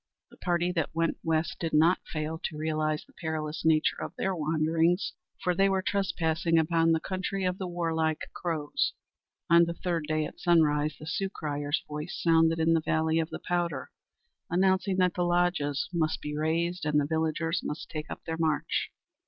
The party that went west did not fail to realize the perilous nature of their wanderings, for they were trespassing upon the country of the warlike Crows. On the third day at sunrise, the Sioux crier's voice resounded in the valley of the Powder, announcing that the lodges must be razed and the villagers must take up their march.